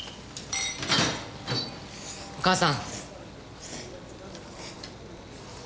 お母さん！